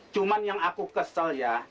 cuma yang aku kesel ya